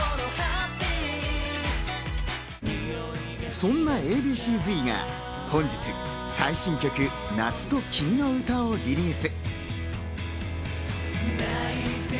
そんなＡ．Ｂ．Ｃ−Ｚが本日、最新曲『夏と君のうた』をリリース。